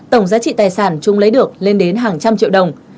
tổng giá trị tài sản chúng lấy được lên đến hàng trăm triệu đồng